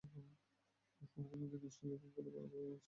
কোনো কোনো দিন অস্ট্রেলিয়ায় ফোন করে বড়ভাই ভাবির সঙ্গে কথা বলি।